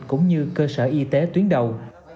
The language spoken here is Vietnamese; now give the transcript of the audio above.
cũng như cơ sở y tế tuyến đầu